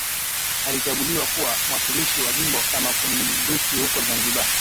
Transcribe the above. Alichaguliwa kuwa mwakilishi wa jimbo la Makunduchi huko Zanzibar